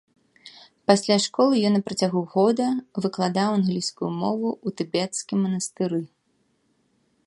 Пасля школы ён на працягу года выкладаў англійскую мову ў тыбецкім манастыры.